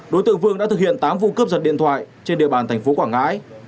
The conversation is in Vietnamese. đối tượng vương đã thực hiện tám vụ cướp giật điện thoại trên địa bàn thành phố quảng ngãi